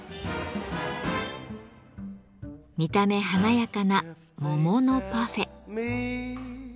見た目華やかな桃のパフェ。